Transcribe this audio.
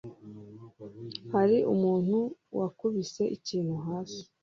hari umuntu wakubise ikintu hasi